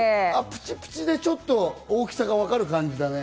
プチプチでちょっと大きさがわかる感じだね。